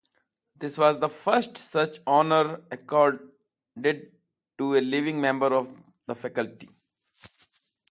This was the first such honor accorded to a living member of the faculty.